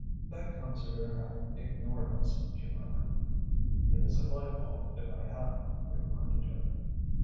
"That comes of your having ignored us," she murmured. "It isn't my fault if I have," he reminded her.